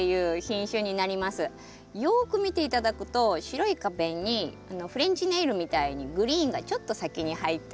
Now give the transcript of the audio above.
よく見て頂くと白い花弁にフレンチネイルみたいにグリーンがちょっと先に入ってる。